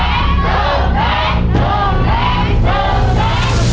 คุณพ่อนี้นะครับ๑แสนบาท